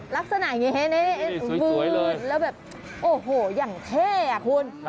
ลักษณะอย่างนี้เห็นไหมสวยเลยแล้วแบบโอ้โหอย่างเท่าะคุณ